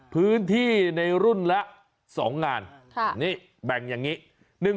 พื้นที่ในรุ่นละ๒งานนี่แบ่งอย่างนี้